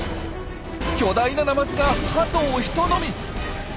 巨大なナマズがハトをひと飲み！